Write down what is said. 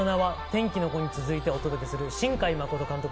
「天気の子」に続いてお届けする新海誠監督